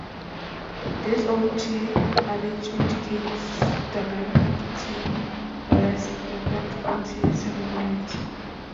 This old tea adage indicates the rank of tea wares preferred for tea ceremonies.